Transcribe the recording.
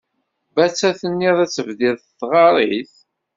Batta tennid ad tebdid tɣarit?